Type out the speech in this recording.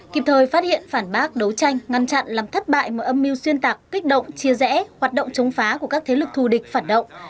kịp thời phát hiện phản bác đấu tranh ngăn chặn làm thất bại một âm mưu xuyên tạc kích động chia rẽ hoạt động chống phá của các thế lực thù địch phản động